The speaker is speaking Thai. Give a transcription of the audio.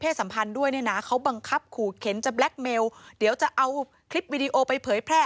จะแบล็กเมลเดี๋ยวจะเอาคลิปวีดีโอไปเผยแพร่